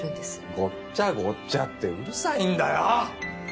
ごっちゃごっちゃってうるさいんだよ！